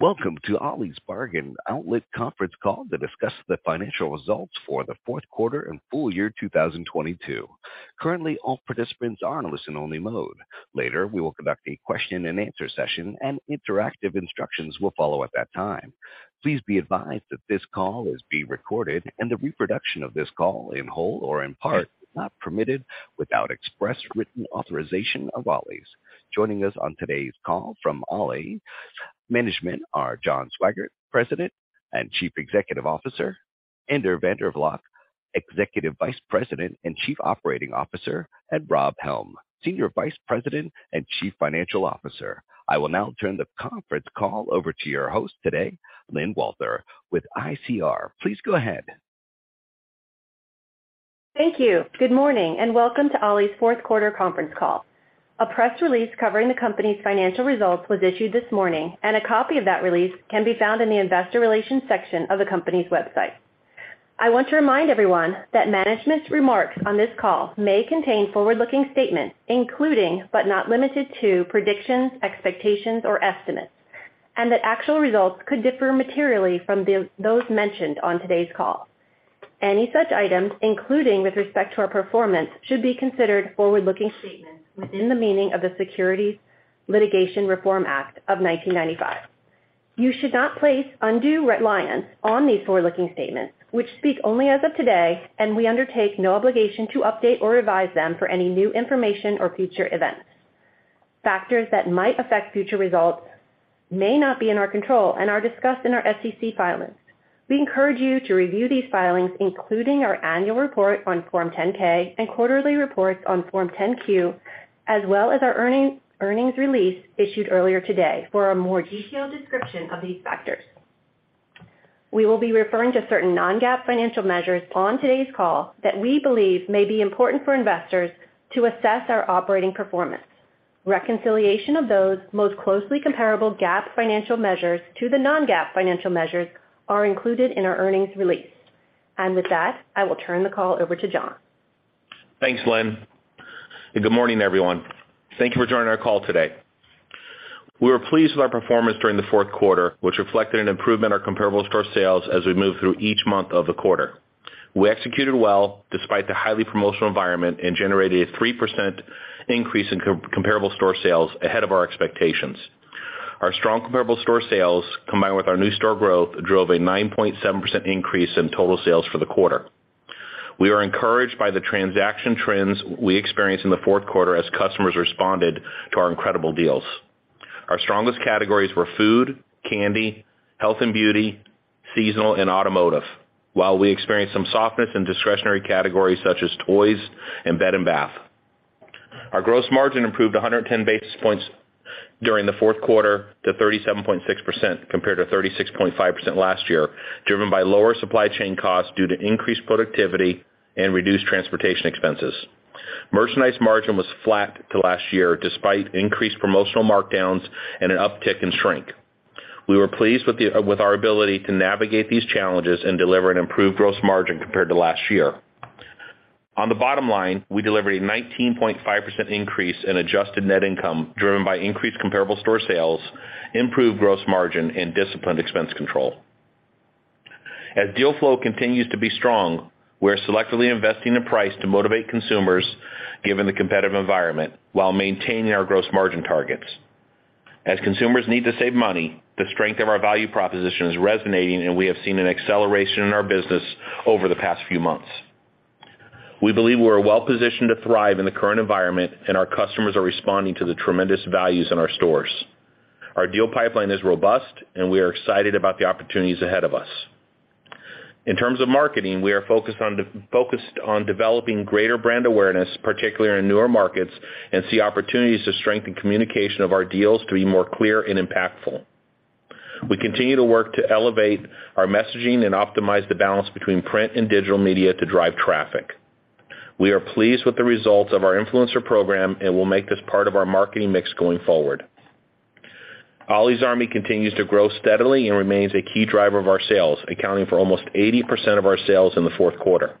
Welcome to Ollie's Bargain Outlet conference call to discuss the financial results for the fourth quarter and full year 2022. Currently, all participants are in listen-only mode. Later, we will conduct a question and answer session and interactive instructions will follow at that time. Please be advised that this call is being recorded and the reproduction of this call in whole or in part is not permitted without express written authorization of Ollie's. Joining us on today's call from Ollie management are John Swygert, President and Chief Executive Officer, Eric van der Valk, Executive Vice President and Chief Operating Officer, and Rob Helm, Senior Vice President and Chief Financial Officer. I will now turn the conference call over to your host today, Lyn Walther with ICR. Please go ahead. Thank you. Good morning and welcome to Ollie's fourth quarter conference call. A press release covering the company's financial results was issued this morning, and a copy of that release can be found in the investor relations section of the company's website. I want to remind everyone that management's remarks on this call may contain forward-looking statements, including, but not limited to predictions, expectations or estimates, and that actual results could differ materially from those mentioned on today's call. Any such items, including with respect to our performance, should be considered forward-looking statements within the meaning of the Securities Litigation Reform Act of 1995. You should not place undue reliance on these forward-looking statements which speak only as of today, and we undertake no obligation to update or revise them for any new information or future events. Factors that might affect future results may not be in our control and are discussed in our SEC filings. We encourage you to review these filings, including our annual report on Form 10-K and quarterly reports on Form 10-Q as well as our earnings release issued earlier today for a more detailed description of these factors. We will be referring to certain non-GAAP financial measures on today's call that we believe may be important for investors to assess our operating performance. Reconciliation of those most closely comparable GAAP financial measures to the non-GAAP financial measures are included in our earnings release. With that, I will turn the call over to John. Thanks, Lyn. Good morning, everyone. Thank you for joining our call today. We were pleased with our performance during the fourth quarter, which reflected an improvement in our comparable store sales as we moved through each month of the quarter. We executed well despite the highly promotional environment and generated a 3% increase in comparable store sales ahead of our expectations. Our strong comparable store sales, combined with our new store growth, drove a 9.7% increase in total sales for the quarter. We are encouraged by the transaction trends we experienced in the fourth quarter as customers responded to our incredible deals. Our strongest categories were food, candy, health and beauty, seasonal and automotive while we experienced some softness in discretionary categories such as toys and bed and bath. Our gross margin improved 110 basis points during the fourth quarter to 37.6%, compared to 36.5% last year, driven by lower supply chain costs due to increased productivity and reduced transportation expenses. Merchandise margin was flat to last year despite increased promotional markdowns and an uptick in shrink. We were pleased with our ability to navigate these challenges and deliver an improved gross margin compared to last year. On the bottom line, we delivered a 19.5% increase in adjusted net income, driven by increased comparable store sales, improved gross margin and disciplined expense control. As deal flow continues to be strong, we are selectively investing in price to motivate consumers given the competitive environment while maintaining our gross margin targets. As consumers need to save money, the strength of our value proposition is resonating and we have seen an acceleration in our business over the past few months. We believe we are well positioned to thrive in the current environment and our customers are responding to the tremendous values in our stores. Our deal pipeline is robust and we are excited about the opportunities ahead of us. In terms of marketing, we are focused on developing greater brand awareness, particularly in newer markets, and see opportunities to strengthen communication of our deals to be more clear and impactful. We continue to work to elevate our messaging and optimize the balance between print and digital media to drive traffic. We are pleased with the results of our influencer program and will make this part of our marketing mix going forward. Ollie's Army continues to grow steadily and remains a key driver of our sales, accounting for almost 80% of our sales in the fourth quarter.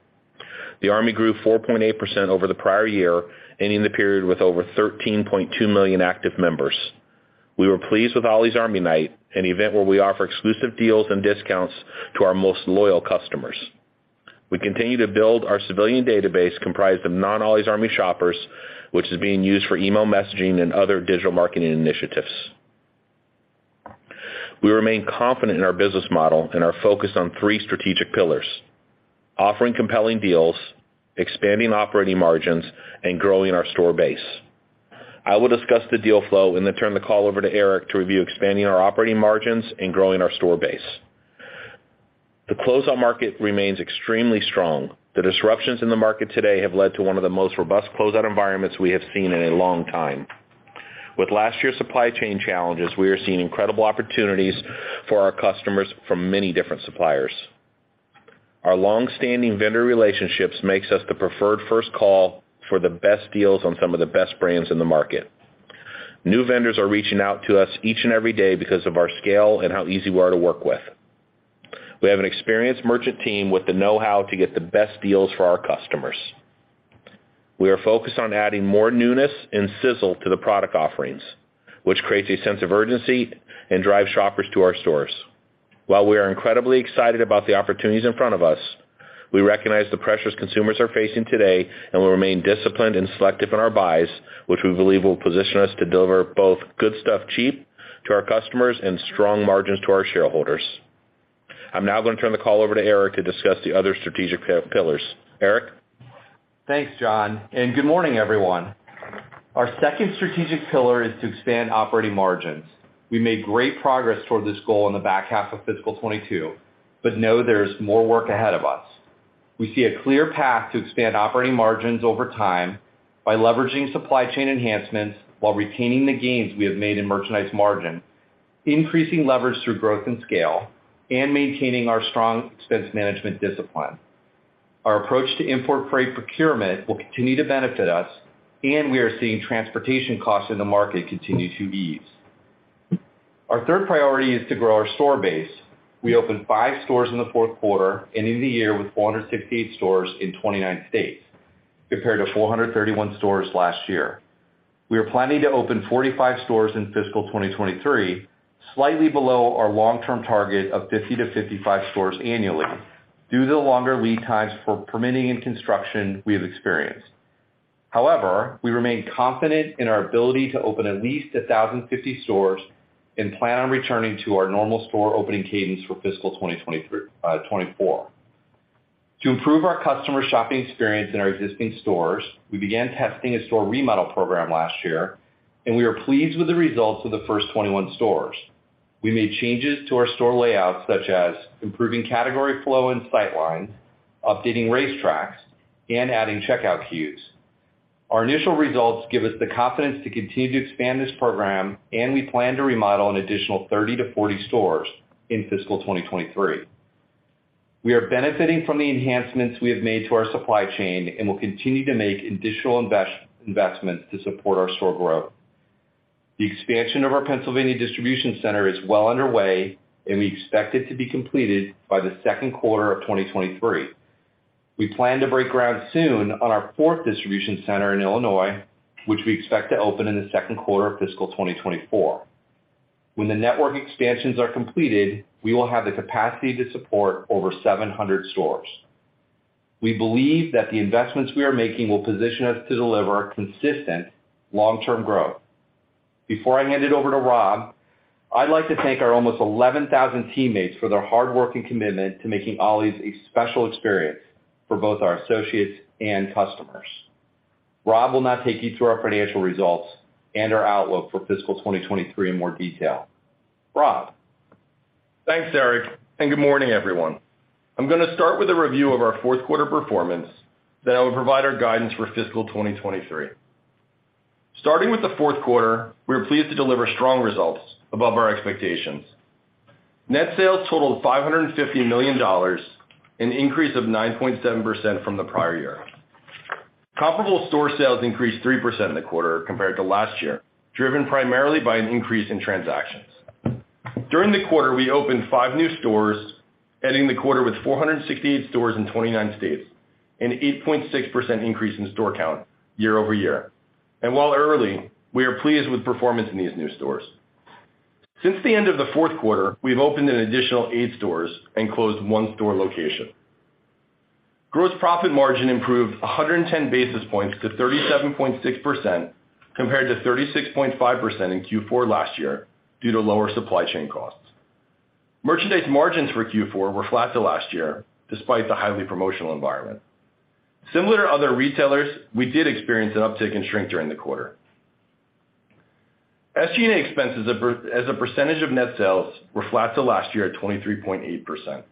The Army grew 4.8% over the prior year, ending the period with over 13.2 million active members. We were pleased with Ollie's Army Night, an event where we offer exclusive deals and discounts to our most loyal customers. We continue to build our civilian database comprised of non Ollie's Army shoppers, which is being used for email messaging and other digital marketing initiatives. We remain confident in our business model and are focused on three strategic pillars offering compelling deals, expanding operating margins and growing our store base. I will discuss the deal flow and then turn the call over to Eric to review expanding our operating margins and growing our store base. The closeout market remains extremely strong. The disruptions in the market today have led to one of the most robust closeout environments we have seen in a long time. With last year's supply chain challenges, we are seeing incredible opportunities for our customers from many different suppliers. Our long standing vendor relationships makes us the preferred first call for the best deals on some of the best brands in the market. New vendors are reaching out to us each and every day because of our scale and how easy we are to work with. We have an experienced merchant team with the know how to get the best deals for our customers. We are focused on adding more newness and sizzle to the product offerings, which creates a sense of urgency and drives shoppers to our stores. While we are incredibly excited about the opportunities in front of us, we recognize the pressures consumers are facing today, and will remain disciplined and selective in our buys, which we believe will position us to deliver both good stuff cheap to our customers and strong margins to our shareholders. I'm now gonna turn the call over to Eric to discuss the other strategic pillars. Eric? Thanks, John. Good morning, everyone. Our second strategic pillar is to expand operating margins. We made great progress toward this goal in the back half of fiscal 2022, but know there is more work ahead of us. We see a clear path to expand operating margins over time by leveraging supply chain enhancements while retaining the gains we have made in merchandise margin, increasing leverage through growth and scale, and maintaining our strong expense management discipline. Our approach to import freight procurement will continue to benefit us, and we are seeing transportation costs in the market continue to ease. Our third priority is to grow our store base. We opened five stores in the fourth quarter, ending the year with 468 stores in 29 states, compared to 431 stores last year. We are planning to open 45 stores in fiscal 2023, slightly below our long-term target of 50-55 stores annually due to the longer lead times for permitting and construction we have experienced. However, we remain confident in our ability to open at least 1,050 stores and plan on returning to our normal store opening cadence for fiscal 2024. To improve our customer shopping experience in our existing stores, we began testing a store remodel program last year and we are pleased with the results of the first 21 stores. We made changes to our store layout, such as improving category flow and sight lines, updating racetracks, and adding checkout queues. Our initial results give us the confidence to continue to expand this program, and we plan to remodel an additional 30-40 stores in fiscal 2023. We are benefiting from the enhancements we have made to our supply chain and will continue to make additional investments to support our store growth. The expansion of our Pennsylvania distribution center is well underway, and we expect it to be completed by the second quarter of 2023. We plan to break ground soon on our fourth distribution center in Illinois, which we expect to open in the second quarter of fiscal 2024. When the network expansions are completed, we will have the capacity to support over 700 stores. We believe that the investments we are making will position us to deliver consistent long-term growth. Before I hand it over to Rob, I'd like to thank our almost 11,000 teammates for their hard work and commitment to making Ollie's a special experience for both our associates and customers. Rob will now take you through our financial results and our outlook for fiscal 2023 in more detail. Rob? Thanks, Eric. Good morning, everyone. I'm gonna start with a review of our fourth quarter performance. I will provide our guidance for fiscal 2023. Starting with the fourth quarter, we are pleased to deliver strong results above our expectations. Net sales totaled $550 million, an increase of 9.7% from the prior year. Comparable store sales increased 3% in the quarter compared to last year, driven primarily by an increase in transactions. During the quarter, we opened five new stores, ending the quarter with 468 stores in 29 states, an 8.6% increase in store count year-over-year. While early, we are pleased with performance in these new stores. Since the end of the fourth quarter, we've opened an additional eight stores and closed one store location. Gross profit margin improved 110 basis points to 37.6%, compared to 36.5% in Q4 last year due to lower supply chain costs. Merchandise margins for Q4 were flat to last year, despite the highly promotional environment. Similar to other retailers, we did experience an uptick in shrink during the quarter. SG&A expenses as a percentage of net sales were flat to last year at 23.8%.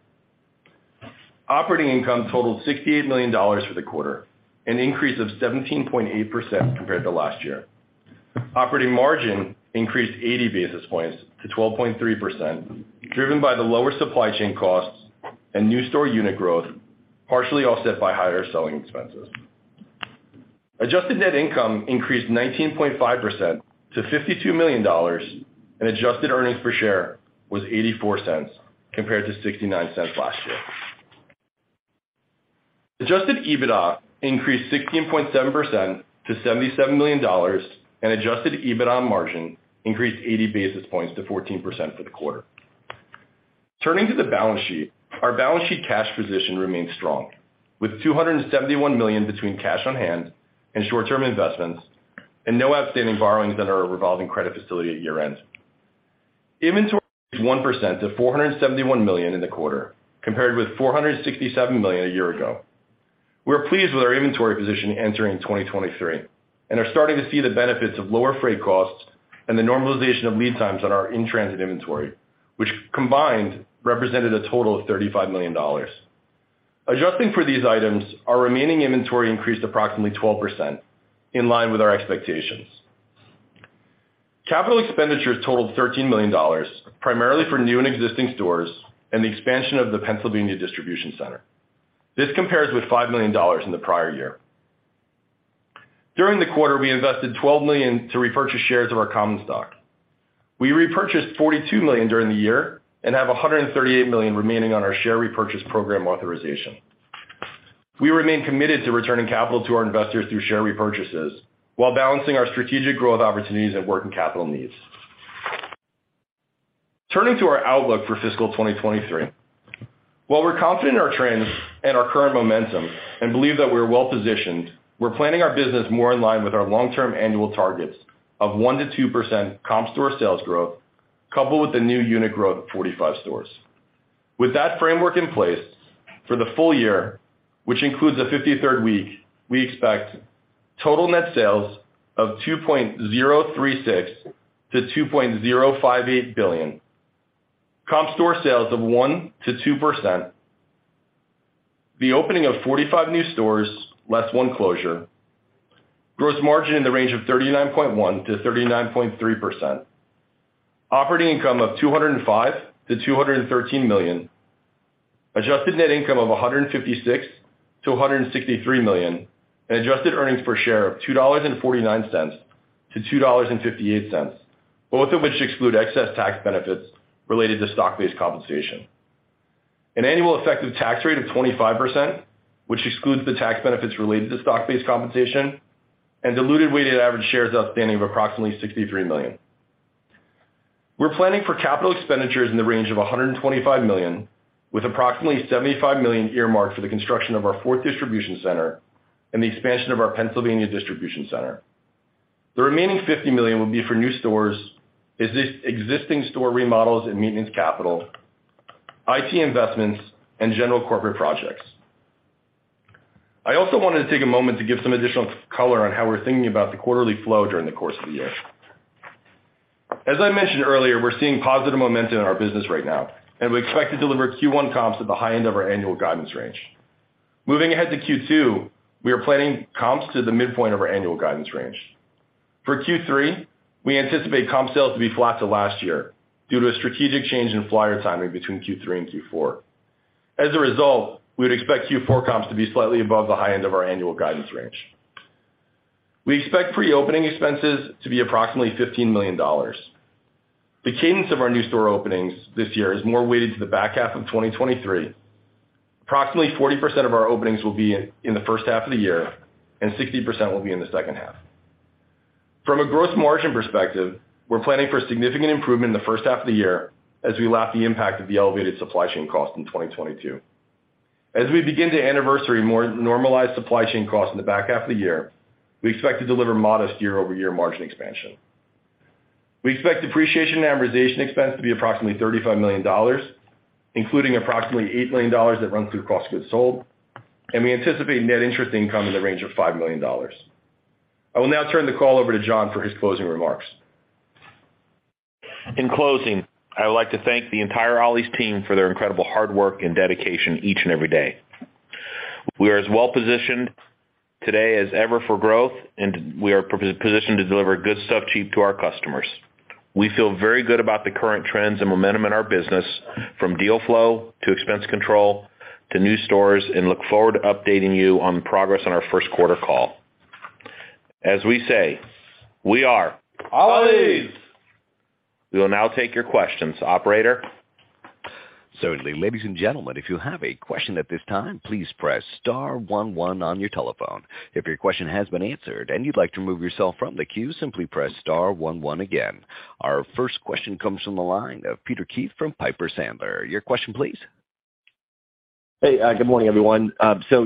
Operating income totaled $68 million for the quarter, an increase of 17.8% compared to last year. Operating margin increased 80 basis points to 12.3%, driven by the lower supply chain costs and new store unit growth, partially offset by higher selling expenses. Adjusted net income increased 19.5% to $52 million, and adjusted earnings per share was $0.84 compared to $0.69 last year. Adjusted EBITDA increased 16.7% to $77 million, and adjusted EBITDA margin increased 80 basis points to 14% for the quarter. Turning to the balance sheet, our balance sheet cash position remains strong, with $271 million between cash on hand and short-term investments and no outstanding borrowings under our revolving credit facility at year-end. Inventory was 1% of $471 million in the quarter, compared with $467 million a year ago. We are pleased with our inventory position entering 2023 and are starting to see the benefits of lower freight costs and the normalization of lead times on our in-transit inventory, which combined represented a total of $35 million. Adjusting for these items, our remaining inventory increased approximately 12%, in line with our expectations. Capital expenditures totaled $13 million, primarily for new and existing stores and the expansion of the Pennsylvania distribution center. This compares with $5 million in the prior year. During the quarter, we invested $12 million to repurchase shares of our common stock. We repurchased $42 million during the year and have $138 million remaining on our share repurchase program authorization. We remain committed to returning capital to our investors through share repurchases while balancing our strategic growth opportunities and working capital needs. Turning to our outlook for fiscal 2023. While we're confident in our trends and our current momentum and believe that we're well positioned, we're planning our business more in line with our long-term annual targets of 1%-2% comp store sales growth, coupled with the new unit growth of 45 stores. With that framework in place, for the full year, which includes a 53rd week, we expect total net sales of $2.036 billion-$2.058 billion, comp store sales of 1%-2%, the opening of 45 new stores, less one closure, gross margin in the range of 39.1%-39.3%, operating income of $205 million-$213 million, adjusted net income of $156 million-$163 million, and adjusted earnings per share of $2.49-$2.58, both of which exclude excess tax benefits related to stock-based compensation. An annual effective tax rate of 25%, which excludes the tax benefits related to stock-based compensation, and diluted weighted average shares outstanding of approximately 63 million. We're planning for capital expenditures in the range of $125 million, with approximately $75 million earmarked for the construction of our fourth distribution center and the expansion of our Pennsylvania distribution center. The remaining $50 million would be for new stores, existing store remodels and maintenance capital, IT investments, and general corporate projects. I also wanted to take a moment to give some additional color on how we're thinking about the quarterly flow during the course of the year. As I mentioned earlier, we're seeing positive momentum in our business right now, and we expect to deliver Q1 comps at the high end of our annual guidance range. Moving ahead to Q2, we are planning comps to the midpoint of our annual guidance range. For Q3, we anticipate comp sales to be flat to last year due to a strategic change in flyer timing between Q3 and Q4. As a result, we would expect Q4 comps to be slightly above the high end of our annual guidance range. We expect pre-opening expenses to be approximately $15 million. The cadence of our new store openings this year is more weighted to the back half of 2023. Approximately 40% of our openings will be in the first half of the year and 60% will be in the second half. From a gross margin perspective, we're planning for significant improvement in the first half of the year as we lap the impact of the elevated supply chain cost in 2022. As we begin to anniversary more normalized supply chain costs in the back half of the year, we expect to deliver modest year-over-year margin expansion. We expect depreciation and amortization expense to be approximately $35 million, including approximately $8 million that run through cost goods sold, and we anticipate net interest income in the range of $5 million. I will now turn the call over to John for his closing remarks. In closing, I would like to thank the entire Ollie's team for their incredible hard work and dedication each and every day. We are as well-positioned today as ever for growth, and we are positioned to deliver good stuff cheap to our customers. We feel very good about the current trends and momentum in our business from deal flow, to expense control, to new stores, and look forward to updating you on progress on our first quarter call. As we say, we are Ollie's. We will now take your questions. Operator? Certainly. Ladies and gentlemen, if you have a question at this time, please press star one one on your telephone. If your question has been answered and you'd like to remove yourself from the queue, simply press star one one again. Our first question comes from the line of Peter Keith from Piper Sandler. Your question, please? Hey, good morning, everyone.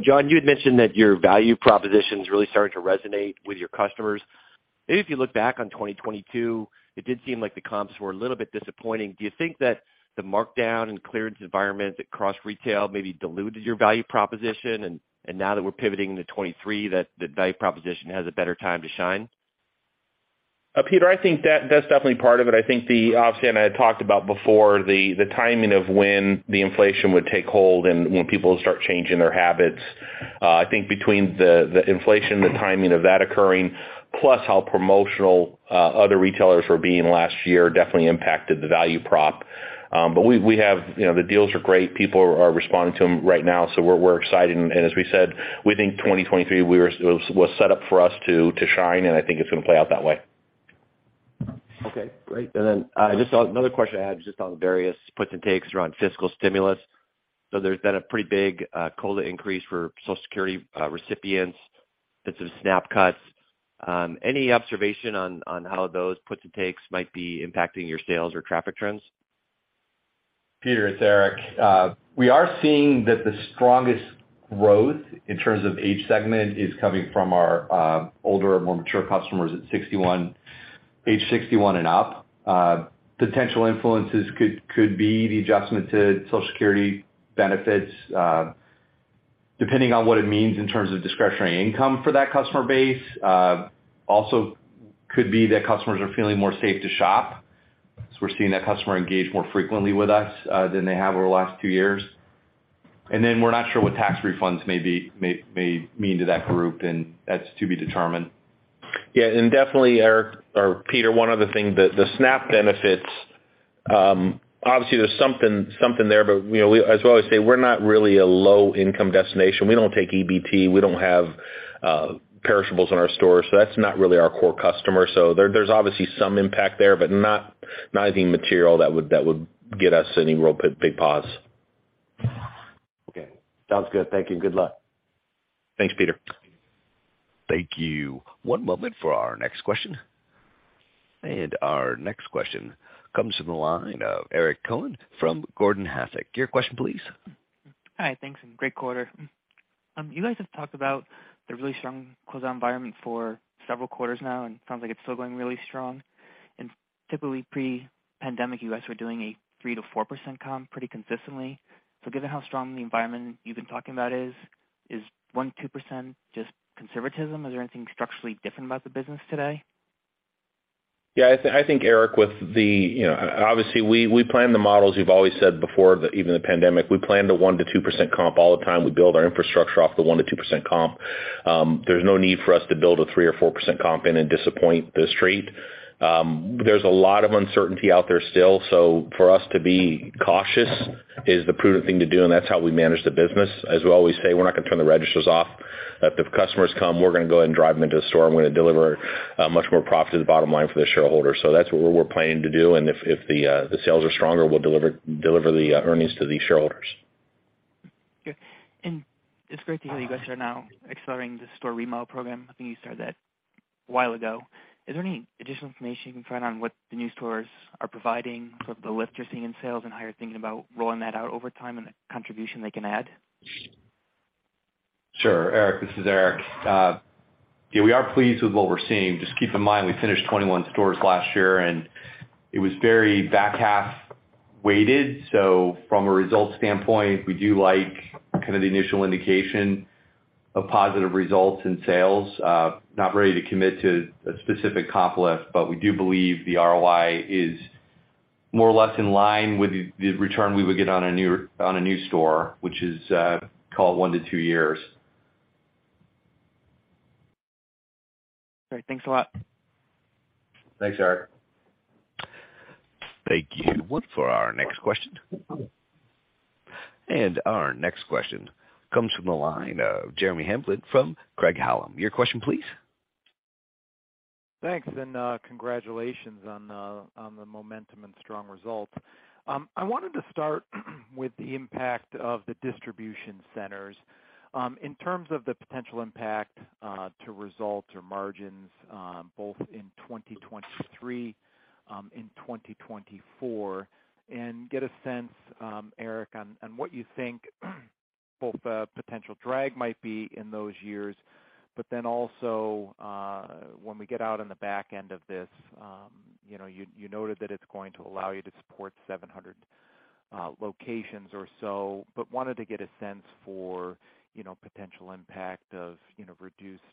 John, you had mentioned that your value proposition's really starting to resonate with your customers. Maybe if you look back on 2022, it did seem like the comps were a little bit disappointing. Do you think that the markdown and clearance environment that cross retail maybe diluted your value proposition, and now that we're pivoting into 2023, that the value proposition has a better time to shine? Peter, I think that's definitely part of it. I think obviously, I know I had talked about before the timing of when the inflation would take hold and when people start changing their habits. I think between the inflation, the timing of that occurring, plus how promotional other retailers were being last year definitely impacted the value prop. We have... You know, the deals are great. People are responding to them right now, so we're excited. As we said, we think 2023, we were set up for us to shine, and I think it's gonna play out that way. Okay, great. Just another question I had just on the various puts and takes around fiscal stimulus. There's been a pretty big COLA increase for Social Security recipients and some SNAP cuts. Any observation on how those puts and takes might be impacting your sales or traffic trends? Peter, it's Eric. We are seeing that the strongest growth in terms of age segment is coming from our older, more mature customers at 61, age 61 and up. Potential influences could be the adjustment to Social Security benefits, depending on what it means in terms of discretionary income for that customer base. Also could be that customers are feeling more safe to shop, so we're seeing that customer engage more frequently with us than they have over the last two years. We're not sure what tax refunds may mean to that group, and that's to be determined. Yeah. Definitely, Eric or Peter, one other thing, the SNAP benefit. Obviously there's something there, but, you know, as we always say, we're not really a low income destination. We don't take EBT. We don't have perishables in our stores, so that's not really our core customer. There's obviously some impact there, but not anything material that would get us any real big pause. Okay. Sounds good. Thank you. Good luck. Thanks, Peter. Thank you. One moment for our next question. Our next question comes from the line of Eric Cohen from Gordon Haskett. Your question please? Hi. Thanks, great quarter. You guys have talked about the really strong closeout environment for several quarters now, it sounds like it's still going really strong. Typically pre-pandemic, you guys were doing a 3%-4% comp pretty consistently. Given how strong the environment you've been talking about is 1%, 2% just conservatism? Is there anything structurally different about the business today? Yeah, I think, Eric, you know, obviously, we plan the models. We've always said before even the pandemic, we planned a 1%-2% comp all the time. We build our infrastructure off the 1%-2% comp. There's no need for us to build a 3% or 4% comp and disappoint the street. There's a lot of uncertainty out there still, for us to be cautious is the prudent thing to do, and that's how we manage the business. As we always say, we're not gonna turn the registers off. If customers come, we're gonna go ahead and drive them into the store and we're gonna deliver much more profit to the bottom line for the shareholders. That's what we're planning to do, and if the sales are stronger, we'll deliver the earnings to the shareholders. Okay. It's great to hear that you guys are now accelerating the store remodel program. I think you started that a while ago. Is there any additional information you can provide on what the new stores are providing, sort of the lift you're seeing in sales and how you're thinking about rolling that out over time and the contribution they can add? Sure, Eric, this is Eric. Yeah, we are pleased with what we're seeing. Just keep in mind, we finished 21 stores last year, and it was very back half weighted. From a results standpoint, we do like kind of the initial indication of positive results in sales. Not ready to commit to a specific comp list, but we do believe the ROI is more or less in line with the return we would get on a new store, which is, call it one to two years. All right. Thanks a lot. Thanks, Eric. Thank you. One for our next question. Our next question comes from the line of Jeremy Hamblin from Craig-Hallum. Your question please? Thanks and congratulations on the momentum and strong results. I wanted to start with the impact of the distribution centers, in terms of the potential impact to results or margins, both in 2023, in 2024, and get a sense, Eric, on what you think both the potential drag might be in those years, but then also, when we get out on the back end of this, you know, you noted that it's going to allow you to support 700 locations or so, but wanted to get a sense for, you know, potential impact of, you know, reduced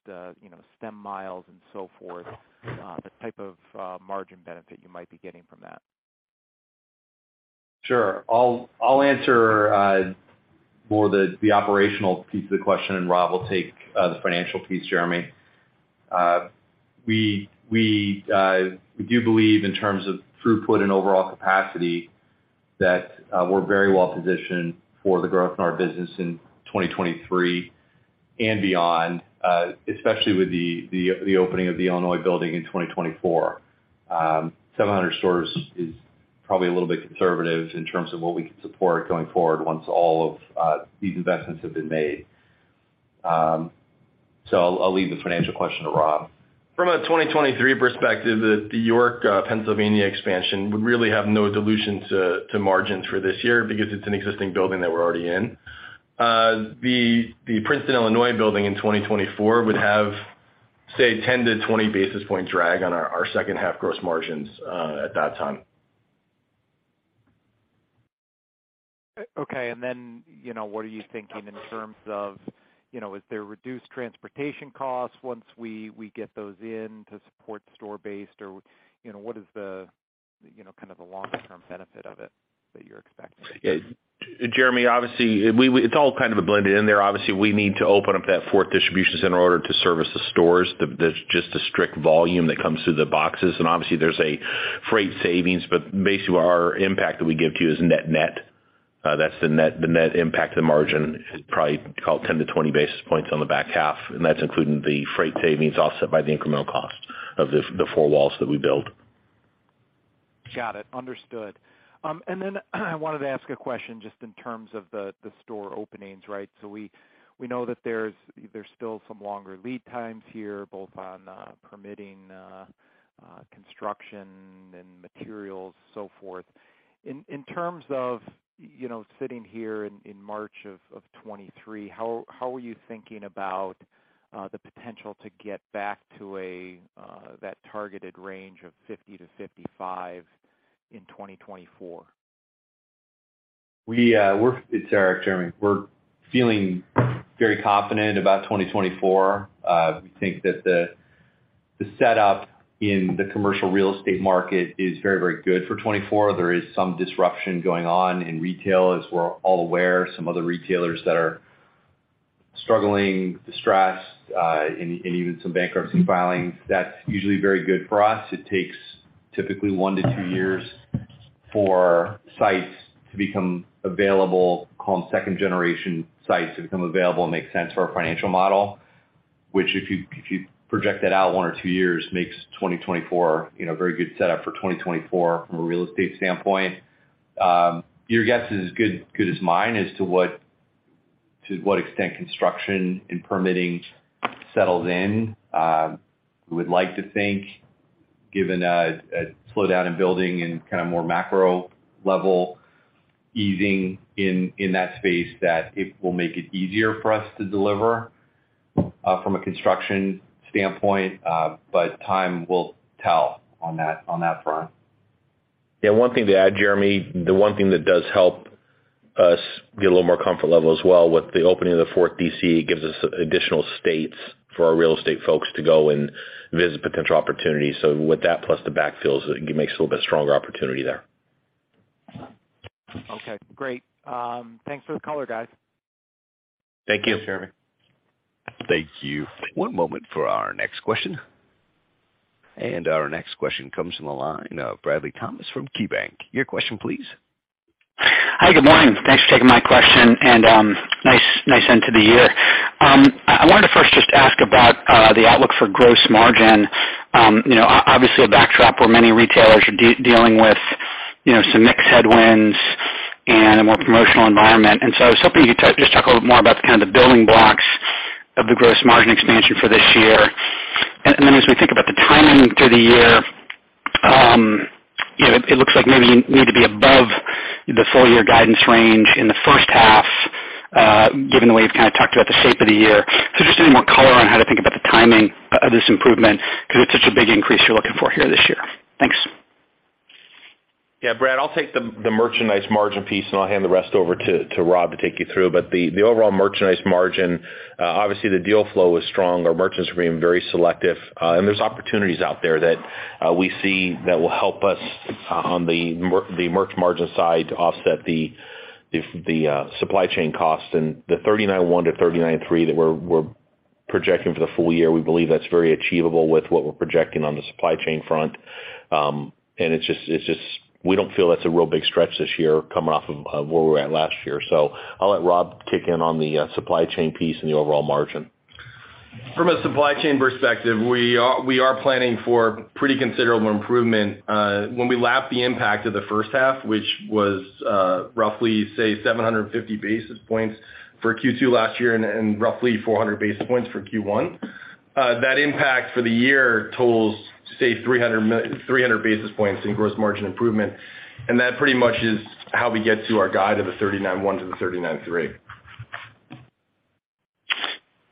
stem miles and so forth, the type of margin benefit you might be getting from that? Sure. I'll answer more the operational piece of the question and Rob will take the financial piece, Jeremy. We do believe in terms of throughput and overall capacity that we're very well positioned for the growth in our business in 2023 and beyond, especially with the opening of the Illinois building in 2024. 700 stores is probably a little bit conservative in terms of what we can support going forward once all of these investments have been made. I'll leave the financial question to Rob. From a 2023 perspective, the York, Pennsylvania expansion would really have no dilution to margins for this year because it's an existing building that we're already in. The Princeton, Illinois building in 2024 would have, say, 10-20 basis points drag on our second half gross margins at that time. Okay. Then, you know, what are you thinking in terms of, you know, is there reduced transportation costs once we get those in to support store-based or, you know, what is the, you know, kind of the long-term benefit of it that you're expecting? Jeremy, obviously we, it's all kind of blended in there. Obviously, we need to open up that fourth distribution center in order to service the stores. There's just a strict volume that comes through the boxes, and obviously there's a freight savings. Basically, our impact that we give to you is net-net. That's the net impact to the margin is probably call it 10-20 basis points on the back half, and that's including the freight savings offset by the incremental cost of the four walls that we build. Got it. Understood. I wanted to ask a question just in terms of the store openings, right? We know that there's still some longer lead times here, both on permitting, construction and materials, so forth. In terms of, you know, sitting here in March of 23, how are you thinking about the potential to get back to that targeted range of 50-55 in 2024? It's Eric, Jeremy. We're feeling very confident about 2024. We think that the setup in the commercial real estate market is very, very good for 2024. There is some disruption going on in retail, as we're all aware. Some other retailers that are. Struggling, distressed, and even some bankruptcy filings. That's usually very good for us. It takes typically one to two years for sites to become available, call them second generation sites to become available and make sense for our financial model, which if you, if you project that out one or two years, makes 2024, you know, very good setup for 2024 from a real estate standpoint. Your guess is as good as mine as to what extent construction and permitting settles in. We would like to think, given a slowdown in building and kind of more macro level easing in that space, that it will make it easier for us to deliver from a construction standpoint. Time will tell on that front. Yeah, one thing to add, Jeremy, the one thing that does help us get a little more comfort level as well with the opening of the fourth DC, it gives us additional states for our real estate folks to go and visit potential opportunities. With that, plus the backfills, it makes a little bit stronger opportunity there. Okay, great. thanks for the color, guys. Thank you. Jeremy. Thank you. One moment for our next question. Our next question comes from the line of Bradley Thomas from KeyBanc. Your question, please? Hi, good morning. Thanks for taking my question and, nice end to the year. I wanted to first just ask about the outlook for gross margin? You know, obviously a backdrop where many retailers are dealing with, you know, some mixed headwinds and a more promotional environment. I was hoping you could just talk a little more about the kind of the building blocks of the gross margin expansion for this year. As we think about the timing through the year, you know, it looks like maybe you need to be above the full year guidance range in the first half, given the way you've kind of talked about the shape of the year. Just any more color on how to think about the timing of this improvement because it's such a big increase you're looking for here this year? Thanks. Brad, I'll take the merchandise margin piece, and I'll hand the rest over to Rob to take you through. The overall merchandise margin, obviously the deal flow is strong. Our merchants are being very selective, and there's opportunities out there that we see that will help us on the merch margin side to offset the supply chain costs. The 39.1%-39.3% that we're projecting for the full year, we believe that's very achievable with what we're projecting on the supply chain front. It's just we don't feel that's a real big stretch this year coming off of where we were at last year. I'll let Rob kick in on the supply chain piece and the overall margin. From a supply chain perspective, we are planning for pretty considerable improvement when we lap the impact of the first half, which was roughly, say 750 basis points for Q2 last year and roughly 400 basis points for Q1. That impact for the year totals, say 300 basis points in gross margin improvement. That pretty much is how we get to our guide of 39.1%-39.3%.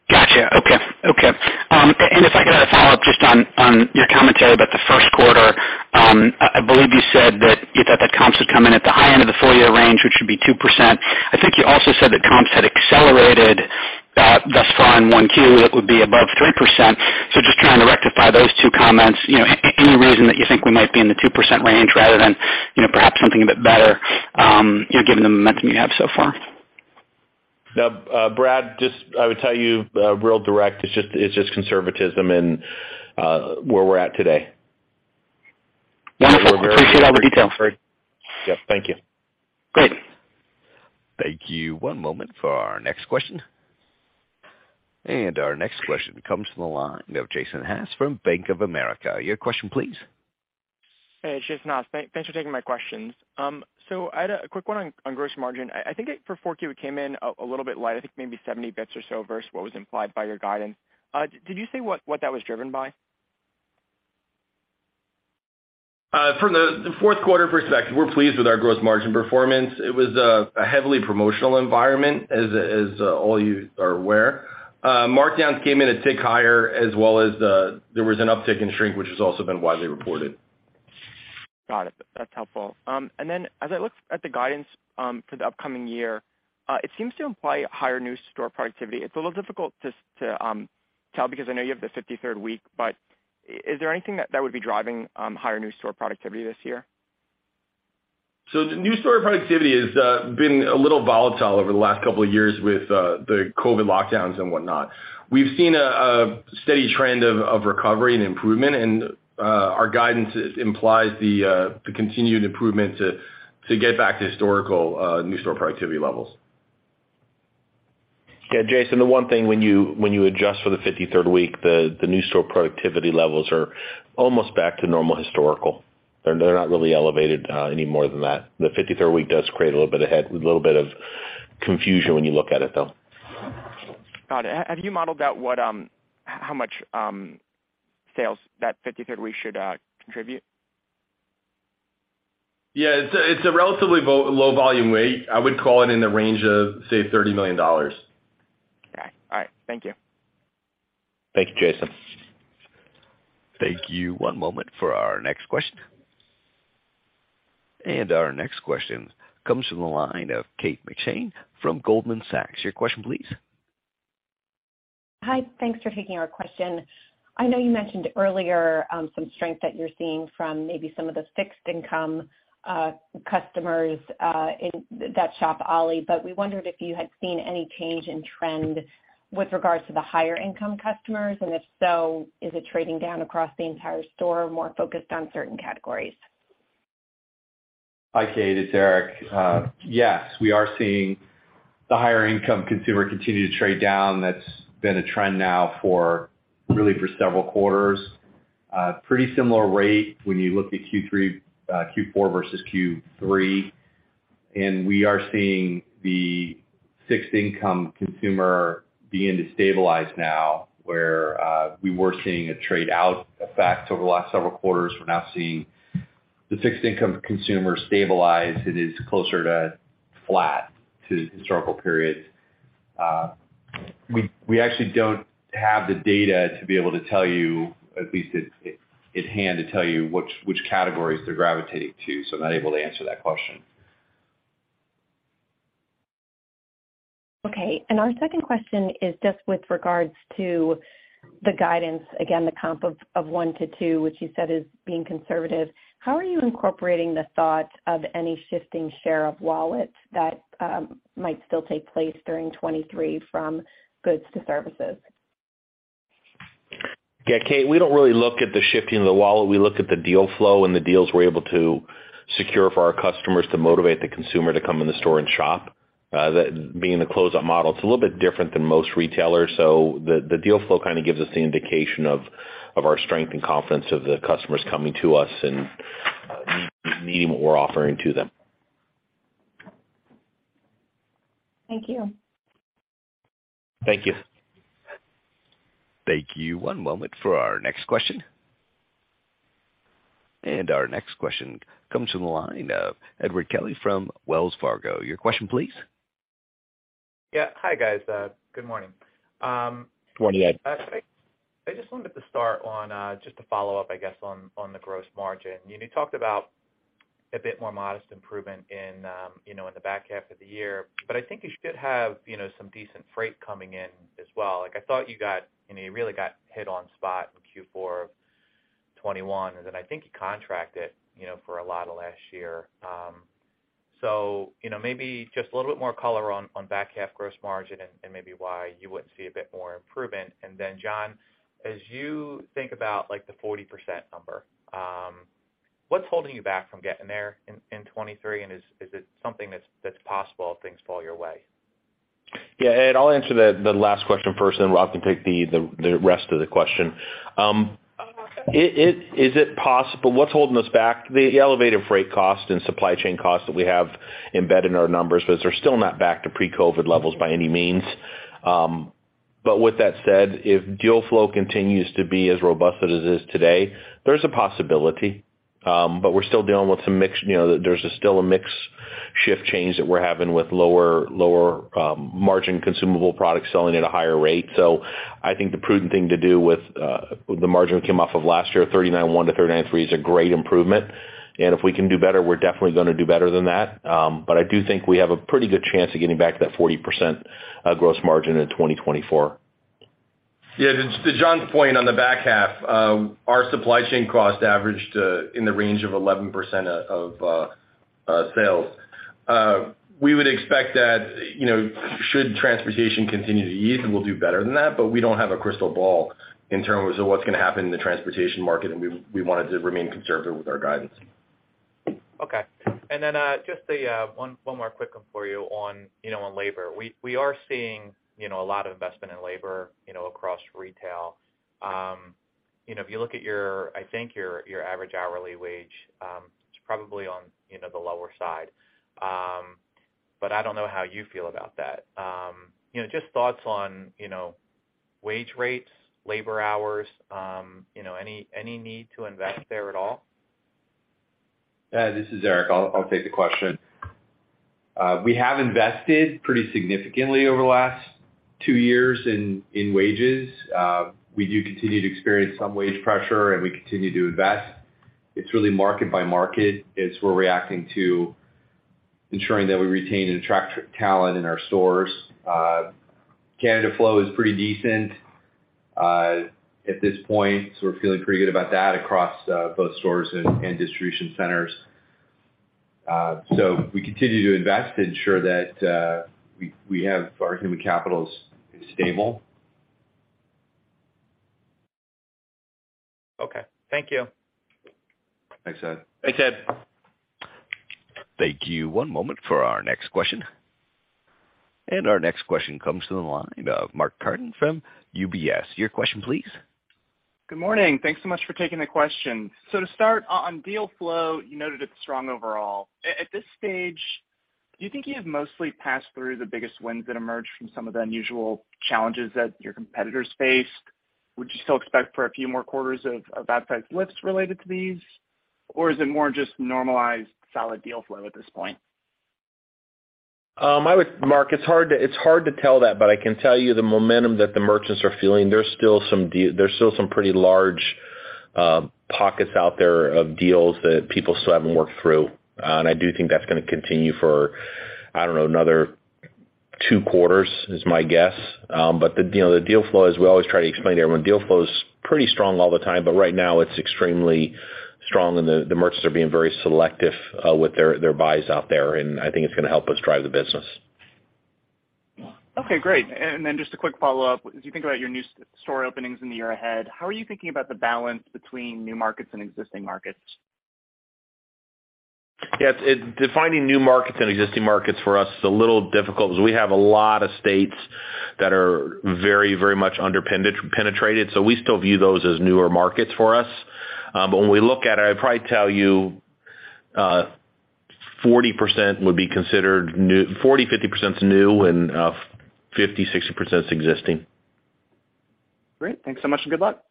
Gotcha. Okay. Okay. If I could add a follow-up just on your commentary about the first quarter. I believe you said that you thought that comps would come in at the high end of the full year range, which would be 2%. I think you also said that comps had accelerated, thus far in Q1, it would be above 3%. Just trying to rectify those two comments. You know, any reason that you think we might be in the 2% range rather than, you know, perhaps something a bit better, you know, given the momentum you have so far? No, Brad, just I would tell you, real direct, it's just conservatism and, where we're at today. Wonderful. Appreciate all the details. Yeah. Thank you. Great. Thank you. One moment for our next question. Our next question comes from the line of Jason Haas from Bank of America. Your question, please? Hey, it's Jason Haas. Thanks for taking my questions. I had a quick one on gross margin. I think for 4Q, it came in a little bit light, I think maybe 70 basis points or so versus what was implied by your guidance. Did you say what that was driven by? From the fourth quarter perspective, we're pleased with our gross margin performance. It was a heavily promotional environment as all you are aware. Markdowns came in a tick higher, as well as, there was an uptick in shrink, which has also been widely reported. Got it. That's helpful. As I look at the guidance, for the upcoming year, it seems to imply higher new store productivity. It's a little difficult to tell, because I know you have the 53rd week, but is there anything that would be driving, higher new store productivity this year? New store productivity has been a little volatile over the last couple of years with the COVID lockdowns and whatnot. We've seen a steady trend of recovery and improvement and our guidance implies the continued improvement to get back to historical new store productivity levels. Yeah, Jason, the one thing when you adjust for the 53rd week, the new store productivity levels are almost back to normal historical. They're not really elevated any more than that. The 53rd week does create a little bit of confusion when you look at it, though. Got it. Have you modeled out what, how much, sales that 53rd week should contribute? Yeah, it's a, it's a relatively low volume week. I would call it in the range of, say, $30 million. Okay. All right. Thank you. Thank you, Jason. Thank you. One moment for our next question. Our next question comes from the line of Kate McShane from Goldman Sachs. Your question, please? Hi. Thanks for taking our question. I know you mentioned earlier, some strength that you're seeing from maybe some of the fixed income customers that shop Ollie. We wondered if you had seen any change in trend with regards to the higher income customers. If so, is it trading down across the entire store more focused on certain categories? Hi, Kate, it's Eric. Yes, we are seeing the higher income consumer continue to trade down. That's been a trend now for really for several quarters. Pretty similar rate when you look at Q4 versus Q3. We are seeing the fixed income consumer beginning to stabilize now, where we were seeing a trade out effect over the last several quarters. We're now seeing the fixed income consumer stabilize. It is closer to flat to historical periods. We actually don't have the data to be able to tell you, at least at hand, to tell you which categories they're gravitating to, so I'm not able to answer that question. Okay. Our second question is just with regards to the guidance, again, the comp of 1%-2%, which you said is being conservative. How are you incorporating the thought of any shifting share of wallet that might still take place during 2023 from goods to services? Yeah, Kate, we don't really look at the shifting of the wallet. We look at the deal flow and the deals we're able to secure for our customers to motivate the consumer to come in the store and shop. That being the closeout model, it's a little bit different than most retailers. The deal flow kind of gives us the indication of our strength and confidence of the customers coming to us and needing what we're offering to them. Thank you. Thank you. Thank you. One moment for our next question. Our next question comes from the line of Edward Kelly from Wells Fargo. Your question, please? Yeah. Hi, guys. Good morning. Good morning, Ed. I just wanted to start on, just to follow-up, I guess, on the gross margin. You know, you talked about a bit more modest improvement in, you know, in the back half of the year. I think you should have, you know, some decent freight coming in as well. Like, I thought you really got hit on spot in Q4 of 2021, I think you contracted, you know, for a lot of last year. You know, maybe just a little bit more color on back half gross margin and maybe why you wouldn't see a bit more improvement? John, as you think about, like, the 40% number, what's holding you back from getting there in 2023? Is it something that's possible if things fall your way? Yeah, Ed, I'll answer the last question first, then Rob can take the rest of the question. Is it possible? What's holding us back? The elevated freight cost and supply chain costs that we have embedded in our numbers, but they're still not back to pre-COVID levels by any means. With that said, if deal flow continues to be as robust as it is today, there's a possibility. We're still dealing with some mix. You know, there's still a mix shift change that we're having with lower, margin consumable products selling at a higher rate. I think the prudent thing to do with the margin we came off of last year, 39.1%-39.3% is a great improvement. If we can do better, we're definitely gonna do better than that. I do think we have a pretty good chance of getting back to that 40% gross margin in 2024. Yeah. To John's point on the back half, our supply chain cost averaged in the range of 11% of sales. We would expect that, you know, should transportation continue to ease, we'll do better than that, but we don't have a crystal ball in terms of what's gonna happen in the transportation market, we wanted to remain conservative with our guidance. Okay. Just one more quick one for you on, you know, on labor. We are seeing, you know, a lot of investment in labor, you know, across retail. You know, if you look at your, I think your average hourly wage, it's probably on, you know, the lower side. I don't know how you feel about that. You know, just thoughts on, you know, wage rates, labor hours, you know, any need to invest there at all? Yeah. This is Eric. I'll take the question. We have invested pretty significantly over the last two years in wages. We do continue to experience some wage pressure, and we continue to invest. It's really market by market. It's we're reacting to ensuring that we retain and attract talent in our stores. Candidate flow is pretty decent at this point, so we're feeling pretty good about that across both stores and distribution centers. We continue to invest to ensure that we have our human capital is stable. Okay. Thank you. Thanks, Ed. Thanks, Ed. Thank you. One moment for our next question. Our next question comes to the line of Mark Carden from UBS. Your question, please? Good morning. Thanks so much for taking the question. To start, on deal flow, you noted it's strong overall. At this stage, do you think you have mostly passed through the biggest wins that emerged from some of the unusual challenges that your competitors faced? Would you still expect for a few more quarters of appetite lifts related to these? Or is it more just normalized solid deal flow at this point? Mark, it's hard to tell that, but I can tell you the momentum that the merchants are feeling. There's still some pretty large pockets out there of deals that people still haven't worked through. I do think that's gonna continue for, I don't know, another two quarters is my guess. The, you know, the deal flow, as we always try to explain to everyone, deal flow is pretty strong all the time, but right now it's extremely strong and the merchants are being very selective with their buys out there and I think it's gonna help us drive the business. Okay, great. Just a quick follow-up. As you think about your new store openings in the year ahead, how are you thinking about the balance between new markets and existing markets? Yes. Defining new markets and existing markets for us is a little difficult because we have a lot of states that are very, very much under penetrated, so we still view those as newer markets for us. When we look at it, I'd probably tell you, 40% would be considered new. 40%-50% new and 50%-60% existing. Great. Thanks so much and good luck.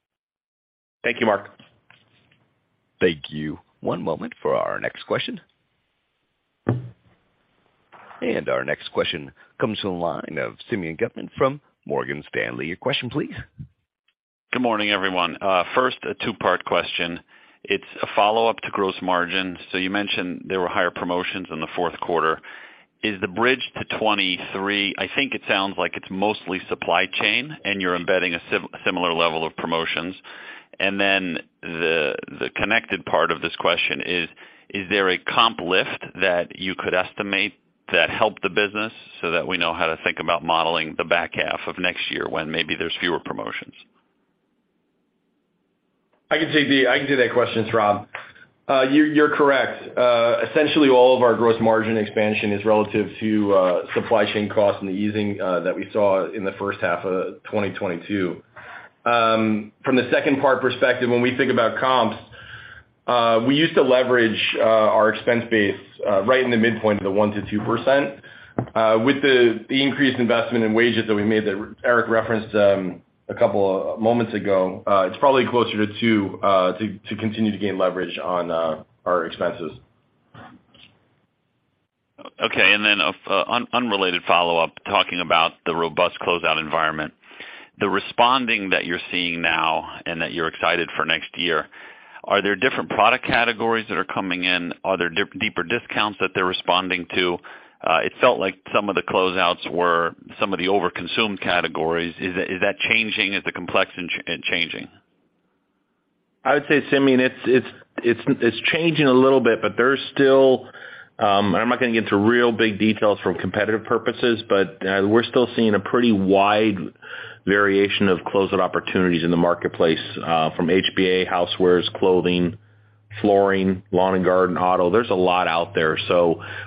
Thank you, Mark. Thank you. One moment for our next question. Our next question comes from the line of Simeon Gutman from Morgan Stanley. Your question please? Good morning, everyone. First, a two-part question. It's a follow-up to gross margin. You mentioned there were higher promotions in the fourth quarter. Is the bridge to 2023, I think it sounds like it's mostly supply chain, and you're embedding a similar level of promotions? The connected part of this question is there a comp lift that you could estimate that helped the business so that we know how to think about modeling the back half of next year when maybe there's fewer promotions? I can do that question, it's Rob. You're correct. Essentially all of our gross margin expansion is relative to supply chain costs and the easing that we saw in the first half of 2022. From the second part perspective, when we think about comps, we used to leverage our expense base right in the midpoint of the 1%-2%. With the increased investment in wages that we made that Eric referenced a couple moments ago, it's probably closer to 2% to continue to gain leverage on our expenses. Okay. Then an unrelated follow-up, talking about the robust closeout environment. The responding that you're seeing now and that you're excited for next year, are there different product categories that are coming in? Are there deeper discounts that they're responding to? It felt like some of the closeouts were some of the overconsumed categories. Is that changing? Is the complexion changing? I would say, Simeon, it's changing a little bit, but there's still. I'm not gonna get into real big details from competitive purposes, but we're still seeing a pretty wide variation of closeout opportunities in the marketplace from HBA, housewares, clothing, flooring, lawn and garden, auto. There's a lot out there.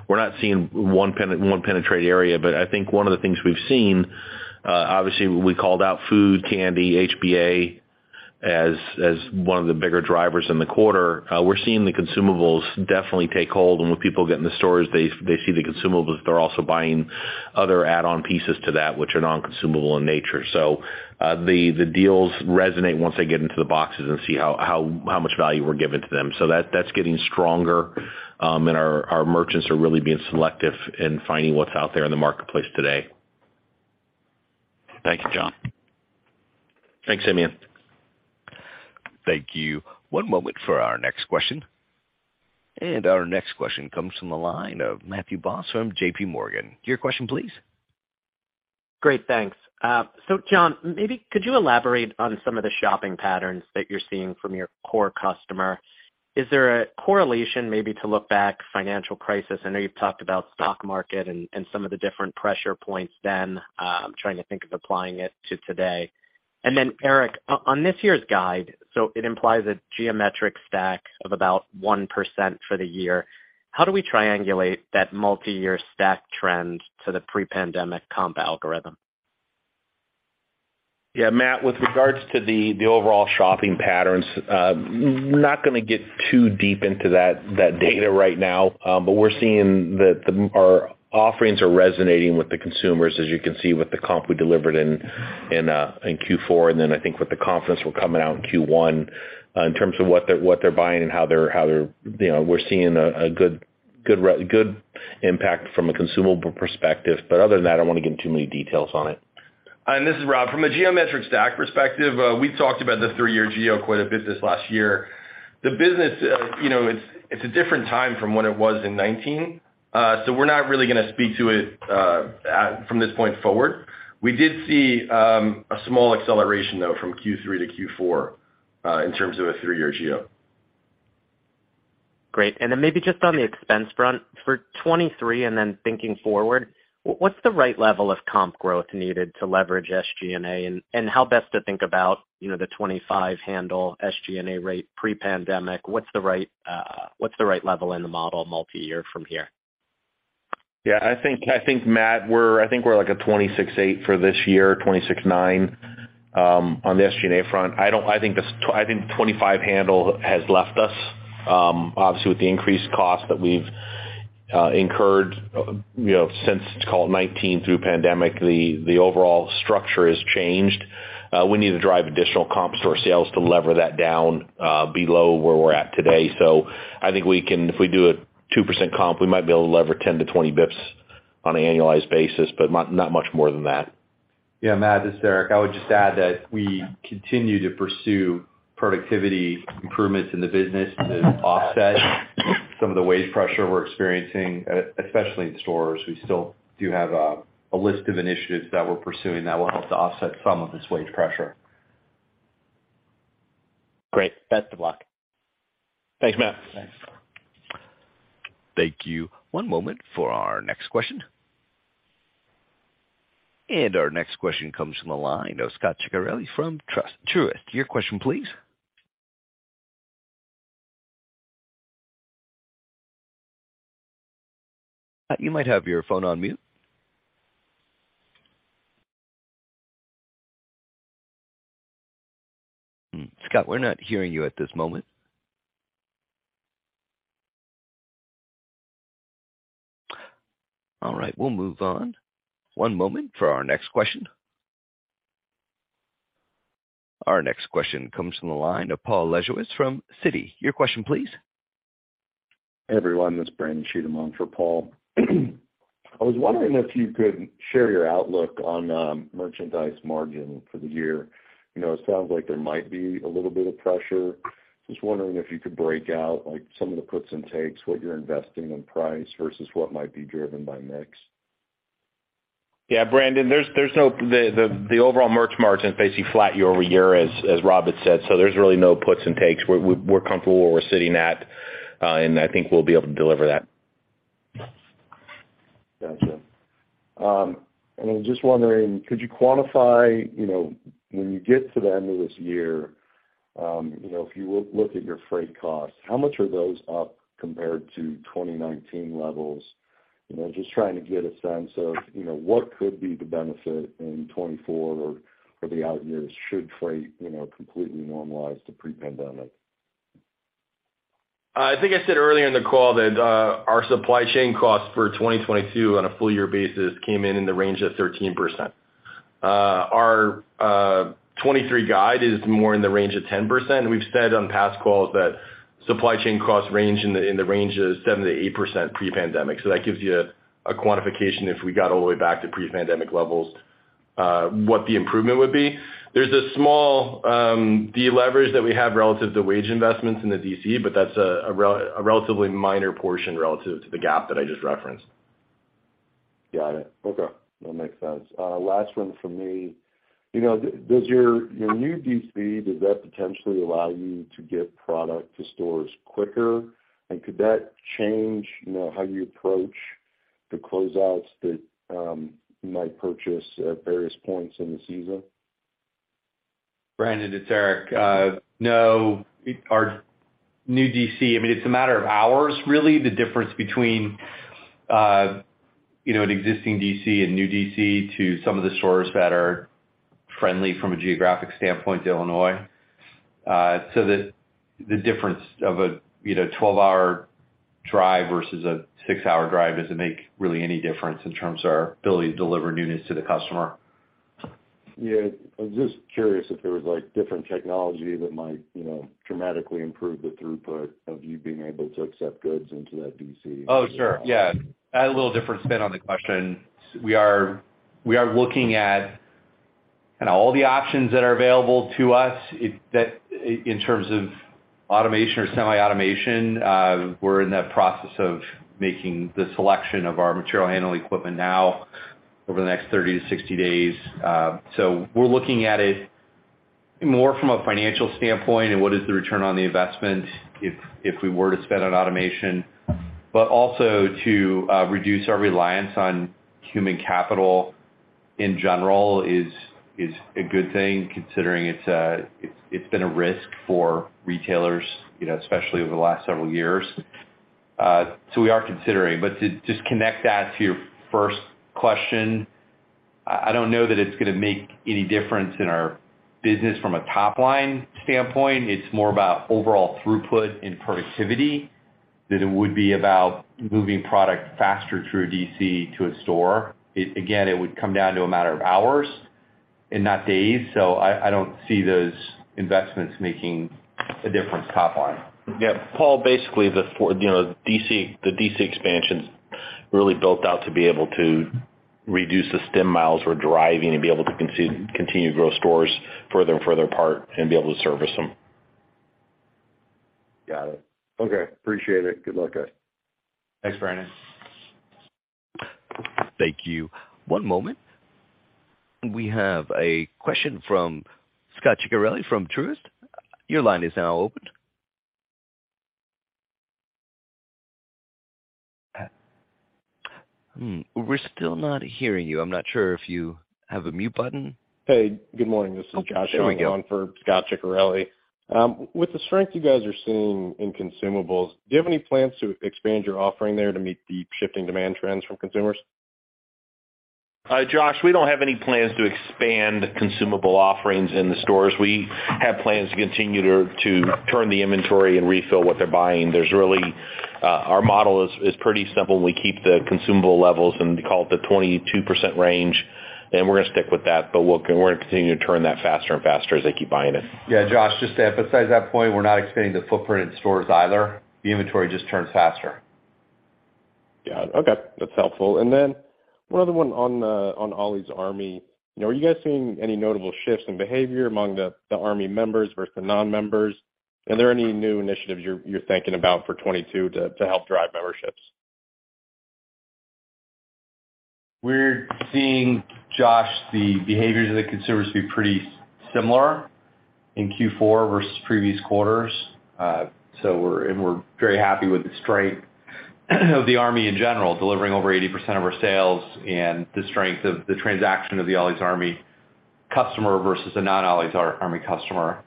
We're not seeing one penetrate area. I think one of the things we've seen, obviously we called out food, candy, HBA as one of the bigger drivers in the quarter. We're seeing the consumables definitely take hold, and when people get in the stores, they see the consumables, they're also buying other add-on pieces to that which are non-consumable in nature. The deals resonate once they get into the boxes and see how much value we're giving to them. That's getting stronger, and our merchants are really being selective in finding what's out there in the marketplace today. Thank you, John. Thanks, Simeon. Thank you. One moment for our next question. Our next question comes from the line of Matthew Boss from JPMorgan. Your question please? Great, thanks. John, maybe could you elaborate on some of the shopping patterns that you're seeing from your core customer? Is there a correlation maybe to look back financial crisis? I know you've talked about stock market and some of the different pressure points then. I'm trying to think of applying it to today. Eric, on this year's guide, so it implies a geometric stack of about 1% for the year. How do we triangulate that multiyear stack trend to the pre-pandemic comp algorithm? Yeah, Matt, with regards to the overall shopping patterns, not gonna get too deep into that data right now, but we're seeing that our offerings are resonating with the consumers, as you can see with the comp we delivered in Q4, and then I think with the confidence we're coming out in Q1, in terms of what they're buying. You know, we're seeing a good impact from a consumable perspective. Other than that, I don't wanna get in too many details on it. This is Rob. From a geometric stack perspective, we talked about the three-year geo quite a bit this last year. The business, you know, it's a different time from what it was in 2019, we're not really gonna speak to it from this point forward. We did see a small acceleration though from Q3 to Q4 in terms of a three-year geo. Great. Maybe just on the expense front, for 2023 and then thinking forward, what's the right level of comp growth needed to leverage SG&A and how best to think about, you know, the 25 handle SG&A rate pre-pandemic? What's the right, what's the right level in the model multiyear from here? Yeah. I think, Matt, I think we're like a 26.8 for this year, 26.9 on the SG&A front. I think 25 handle has left us. Obviously with the increased cost that we've incurred, you know, since, let's call it 2019 through pandemic, the overall structure has changed. We need to drive additional comp store sales to lever that down below where we're at today. I think we can, if we do a 2% comp, we might be able to lever 10-20 basis points on an annualized basis, but not much more than that. Yeah, Matt, this is Eric. I would just add that we continue to pursue productivity improvements in the business to offset some of the wage pressure we're experiencing, especially in stores. We still do have a list of initiatives that we're pursuing that will help to offset some of this wage pressure. Great. Best of luck. Thanks, Matt. Thanks. Thank you. One moment for our next question. Our next question comes from the line of Scot Ciccarelli from Truist. Your question please? You might have your phone on mute. Scot, we're not hearing you at this moment. All right, we'll move on. One moment for our next question. Our next question comes from the line of Paul Lejuez from Citi. Your question please? Everyone, this is Brandon Cheatham on for Paul. I was wondering if you could share your outlook on merchandise margin for the year? You know, it sounds like there might be a little bit of pressure. Just wondering if you could break out, like, some of the puts and takes, what you're investing in price versus what might be driven by mix? Yeah, Brandon, there's no. The overall merch margin is basically flat year-over-year, as Rob had said. There's really no puts and takes. We're comfortable where we're sitting at, and I think we'll be able to deliver that. Gotcha. I'm just wondering, could you quantify, you know, when you get to the end of this year, if you look at your freight costs, how much are those up compared to 2019 levels? You know, just trying to get a sense of what could be the benefit in 2024 or the out years should freight completely normalize to pre-pandemic? I think I said earlier in the call that our supply chain costs for 2022 on a full year basis came in the range of 13%. Our 2023 guide is more in the range of 10%. We've said on past calls that supply chain costs range in the range of 7%-8% pre-pandemic. That gives you a quantification, if we got all the way back to pre-pandemic levels, what the improvement would be. There's a small deleverage that we have relative to wage investments in the DC, but that's a relatively minor portion relative to the gap that I just referenced. Got it. Okay, that makes sense. Last one from me. You know, does your new DC, does that potentially allow you to get product to stores quicker? Could that change, you know, how you approach the closeouts that you might purchase at various points in the season? Brandon, it's Eric. No, our new DC, I mean, it's a matter of hours, really, the difference between, you know, an existing DC and new DC to some of the stores that are friendly from a geographic standpoint to Illinois. The, the difference of a, you know, 12-hour drive versus a six-hour drive doesn't make really any difference in terms of our ability to deliver newness to the customer. Yeah, I was just curious if there was, like, different technology that might, you know, dramatically improve the throughput of you being able to accept goods into that D.C. Sure. Yeah. Add a little different spin on the question. We are looking at kinda all the options that are available to us in terms of automation or semi-automation. We're in the process of making the selection of our material handling equipment now over the next 30-60 days. We're looking at it more from a financial standpoint and what is the return on the investment if we were to spend on automation. But also to reduce our reliance on human capital in general is a good thing, considering it's been a risk for retailers, you know, especially over the last several years. We are considering. To just connect that to your first question, I don't know that it's gonna make any difference in our business from a top-line standpoint. It's more about overall throughput and productivity than it would be about moving product faster through a DC to a store. Again, it would come down to a matter of hours and not days. I don't see those investments making a difference top line. Yeah, Paul, basically the you know, DC, the DC expansion's really built out to be able to reduce the stem miles we're driving and be able to continue to grow stores further and further apart and be able to service them. Got it. Okay. Appreciate it. Good luck, guys. Thanks, Brandon. Thank you. One moment. We have a question from Scot Ciccarelli from Truist. Your line is now open. We're still not hearing you. I'm not sure if you have a mute button. Hey, good morning. This is Josh. Oh, there we go. -going for Scot Ciccarelli. With the strength you guys are seeing in consumables, do you have any plans to expand your offering there to meet the shifting demand trends from consumers? Josh, we don't have any plans to expand consumable offerings in the stores. We have plans to continue to turn the inventory and refill what they're buying. There's really. Our model is pretty simple. We keep the consumable levels in, call it, the 22% range, and we're gonna stick with that. Look, we're gonna continue to turn that faster and faster as they keep buying it. Josh, just to emphasize that point, we're not expanding the footprint in stores either. The inventory just turns faster. Yeah. Okay, that's helpful. One other one on the, on Ollie's Army. You know, are you guys seeing any notable shifts in behavior among the Army members versus the non-members? Are there any new initiatives you're thinking about for 2022 to help drive memberships? We're seeing, Josh, the behaviors of the consumers to be pretty similar in Q4 versus previous quarters. so we're very happy with the strength of the Army in general, delivering over 80% of our sales and the strength of the transaction of the Ollie's Army customer versus a non-Ollie's Army customer.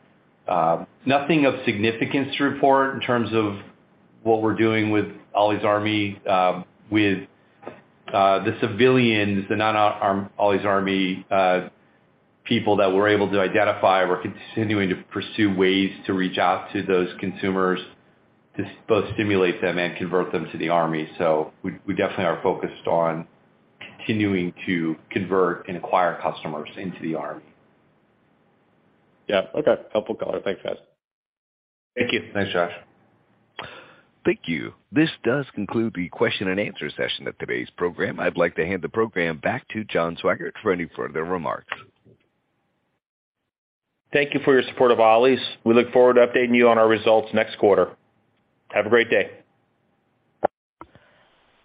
Nothing of significance to report in terms of what we're doing with Ollie's Army. With the civilians, the non-Ollie's Army people that we're able to identify, we're continuing to pursue ways to reach out to those consumers to both stimulate them and convert them to the Army. We definitely are focused on continuing to convert and acquire customers into the Army. Yeah. Okay. Helpful color. Thanks, guys. Thank you. Thanks, Josh. Thank you. This does conclude the question and answer session of today's program. I'd like to hand the program back to John Swygert for any further remarks. Thank you for your support of Ollie's. We look forward to updating you on our results next quarter. Have a great day.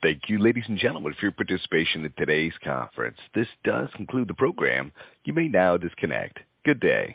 Thank you, ladies and gentlemen, for your participation in today's conference. This does conclude the program. You may now disconnect. Good day.